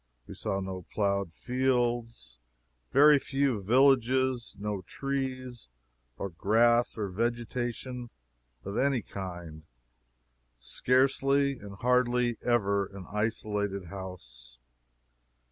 We saw no ploughed fields, very few villages, no trees or grass or vegetation of any kind, scarcely, and hardly ever an isolated house.